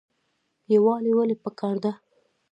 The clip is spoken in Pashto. یووالی ولې پکار دی؟